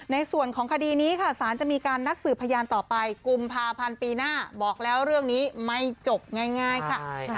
ในส่วนของคดีนี้ค่ะสารจะมีการนัดสืบพยานต่อไปกุมภาพันธ์ปีหน้าบอกแล้วเรื่องนี้ไม่จบง่ายค่ะ